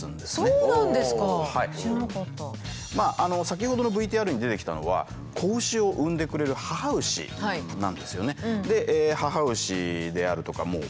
先ほどのＶＴＲに出てきたのは子牛を産んでくれる母牛なんですよね。